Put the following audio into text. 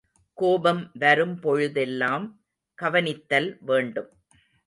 கோபம் வரும் பொழுதெல்லாம் கவனித்தல் வேண்டும்.